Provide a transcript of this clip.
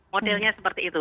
modelnya seperti itu